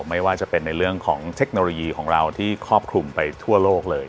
ไม่ว่าจะเป็นในเรื่องของเทคโนโลยีของเราที่ครอบคลุมไปทั่วโลกเลย